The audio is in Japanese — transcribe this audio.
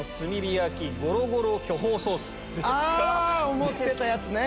思ってたやつね。